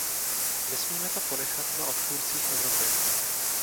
Nesmíme to ponechat na odpůrcích Evropy.